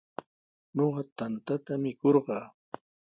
Ñuqa tantata mikurqaa.